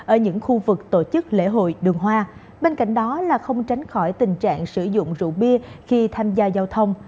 ở những khu vực tổ chức lễ hội đường hoa bên cạnh đó là không tránh khỏi tình trạng sử dụng rượu bia khi tham gia giao thông